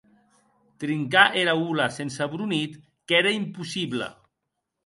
Trincar era ola sense bronit qu’ère impossible.